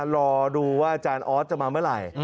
รอดูว่าอาจารย์ออสจะมาเมื่อไหร่